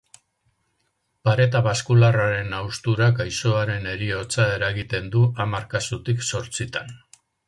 Pareta baskularraren hausturak gaixoaren heriotza eragiten du hamar kasutik zortzitan.